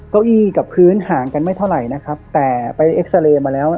เก้าอี้กับพื้นห่างกันไม่เท่าไหร่นะครับแต่ไปเอ็กซาเรย์มาแล้ว